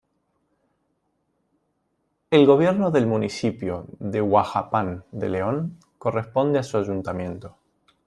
El gobierno del municipio de Huajuapan de León corresponde a su ayuntamiento.